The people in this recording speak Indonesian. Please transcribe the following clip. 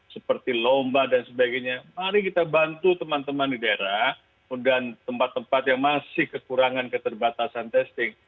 seperti lomba dan sebagainya mari kita bantu teman teman di daerah dan tempat tempat yang masih kekurangan keterbatasan testing